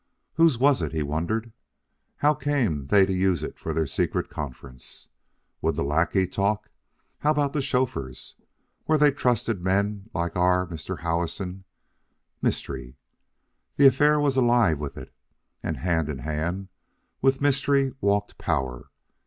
Whose was it? he wondered. How came they to use it for their secret conference? Would the lackey talk? How about the chauffeurs? Were they trusted men like "our" Mr. Howison? Mystery? The affair was alive with it. And hand in hand with mystery walked Power.